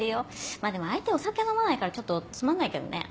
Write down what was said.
まあでも相手お酒飲まないからちょっとつまんないけどね。